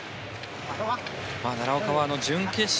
奈良岡は準決勝